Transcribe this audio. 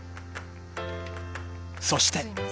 ［そして］